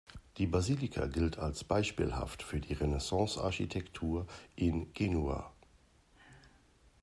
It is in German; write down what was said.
Die Basilika gilt als beispielhaft für die Renaissance-Architektur in Genua.